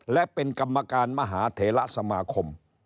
และเป็นกรรมการมหาเถระสมาคม